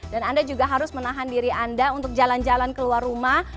dan anda juga harus menahan diri anda untuk jalan jalan ke luar rumah